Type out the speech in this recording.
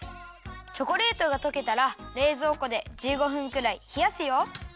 チョコレートがとけたられいぞうこで１５分くらいひやすよ。